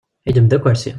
Yeddem-d akersi.